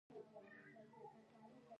بیا له هغه لارې کښتۍ ته ځم چې چمتو یې کړم.